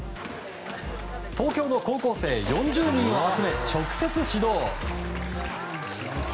東京の高校生４０人を集め直接指導。